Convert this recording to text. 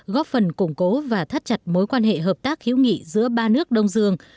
góp phần củng cố và thắt chặt mối quan hệ hợp tác hữu nghị giữa ba nước đông dương